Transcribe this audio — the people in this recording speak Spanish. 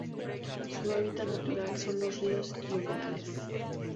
Su hábitat natural son los ríos y humedales.